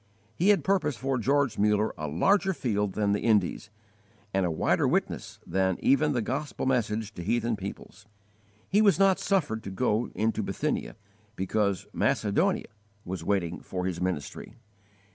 He had purposed for George Muller a larger field than the Indies, and a wider witness than even the gospel message to heathen peoples. He was 'not suffered' to go into 'Bithynia' because 'Macedonia' was waiting for his ministry.